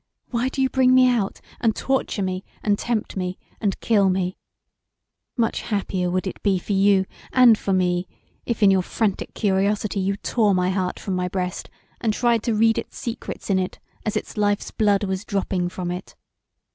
Why do you bring me out, and torture me, and tempt me, and kill me Much happier would [it] be for you and for me if in your frantic curiosity you tore my heart from my breast and tried to read its secrets in it as its life's blood was dropping from it.